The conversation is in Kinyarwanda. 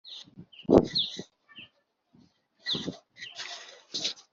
nywushyizemo ukuboko ntiwananira,